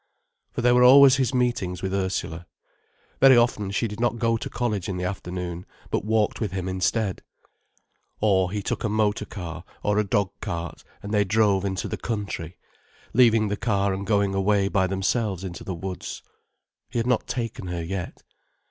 For there were always his meetings with Ursula. Very often, she did not go to college in the afternoon, but walked with him instead. Or he took a motor car or a dog cart and they drove into the country, leaving the car and going away by themselves into the woods. He had not taken her yet.